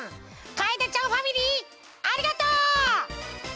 かえでちゃんファミリーありがとう！